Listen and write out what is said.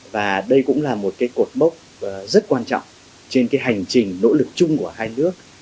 và đây cũng là một cái cột mốc rất quan trọng trên cái hành trình nỗ lực chung của hai nước